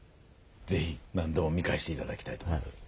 是非何度も見返して頂きたいと思います。